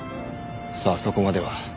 さあそこまでは。